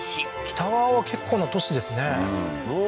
北側は結構な都市ですねうん